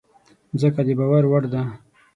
مځکه د باور وړ ده.